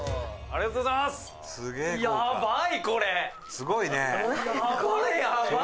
「すごいね！」